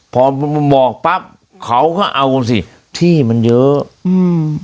พอหมอกปั๊บเขาก็เอาสิที่มันเยอะอืม